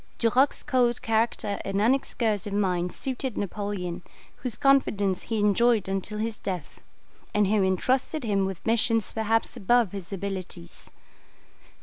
Duroc's cold character and unexcursive mind suited Napoleon, whose confidence he enjoyed until his death, and who entrusted him with missions perhaps above his abilities.